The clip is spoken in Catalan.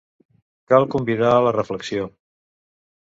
Cal convidar a la reflexió.